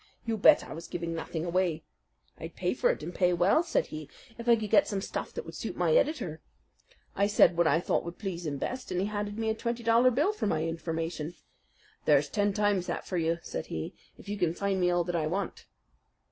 You bet I was giving nothing away. 'I'd pay for it and pay well,' said he, 'if I could get some stuff that would suit my editor.' I said what I thought would please him best, and he handed me a twenty dollar bill for my information. 'There's ten times that for you,' said he, 'if you can find me all that I want.'"